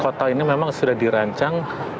kota ini memang sebuah kota yang sangat berbeda